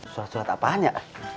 surat surat apaan ya